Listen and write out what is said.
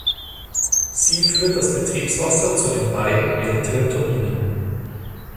Sie führt das Betriebswasser zu den beiden älteren Turbinen.